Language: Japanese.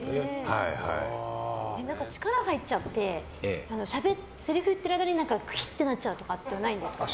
力入っちゃってせりふ言ってる間にクキッとなっちゃうとかないんですか？